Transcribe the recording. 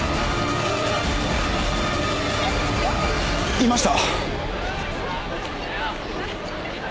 いました！